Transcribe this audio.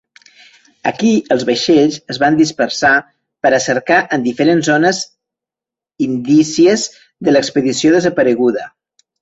Aquí els vaixells es van dispersar per a cercar en diferents zones indicies de l'expedició desapareguda.